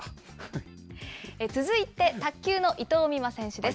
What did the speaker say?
続いて卓球の伊藤美誠選手です。